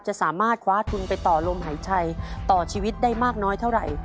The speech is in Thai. จะสามารถคว้าทุนไปต่อลมหายใจต่อชีวิตได้มากน้อยเท่าไหร่